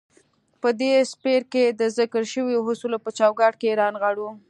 په دې څپرکي کې د ذکر شويو اصولو په چوکاټ کې يې رانغاړو.